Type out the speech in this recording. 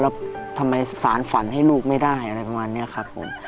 แล้วทำไมสารฝันให้ลูกไม่ได้อะไรประมาณนี้ครับผม